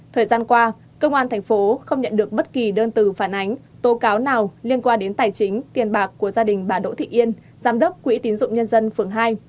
thời gian qua công an thành phố không nhận được bất kỳ đơn từ phản ánh tố cáo nào liên quan đến tài chính tiền bạc của gia đình bà đỗ thị yên giám đốc quỹ tín dụng nhân dân phường hai